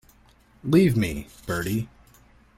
Leave me, Bertie.